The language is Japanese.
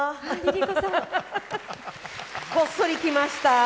こっそり来ました！